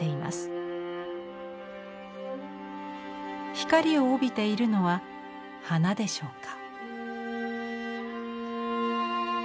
光を帯びているのは花でしょうか。